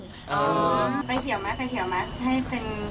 ใจดี